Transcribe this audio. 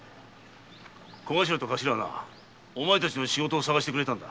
コガシラとカシラはなお前たちの仕事を探してくれたんだ。